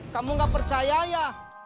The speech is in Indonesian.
kamu gak percaya ya